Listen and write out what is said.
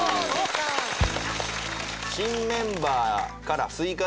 新メンバーから追加情報